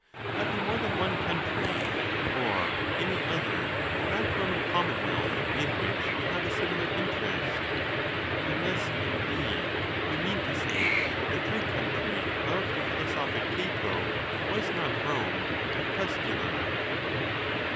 Have you more than one country, or any other than that Roman commonwealth in which we have a similar interest? Unless, indeed, you mean to say, that the true country of the philosophic Cato was not Rome, but Tus culum.